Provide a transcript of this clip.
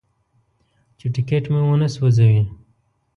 چې ټکټ مې ونه سوځوي.